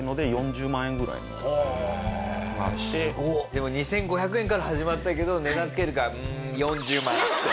でも２５００円から始まったけど値段付けるからうん４０万円っつって。